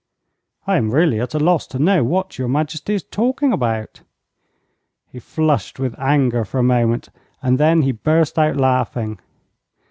'I am really at a loss to know what your Majesty is talking about.' He flushed with anger for a moment, and then he burst out laughing.